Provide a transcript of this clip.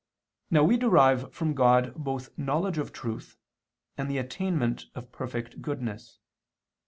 Now we derive from God both knowledge of truth and the attainment of perfect goodness.